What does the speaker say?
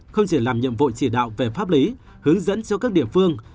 không chỉ làm nhiệm vụ chỉ đạo về pháp lý hướng dẫn cho các địa phương